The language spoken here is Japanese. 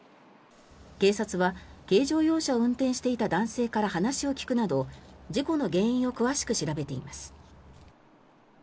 警察は軽乗用車を運転していた男性から話を聞くなど事故の原因を詳しく調べています。